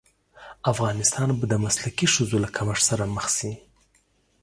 افغانستان به د مسلکي ښځو له کمښت سره مخ شي.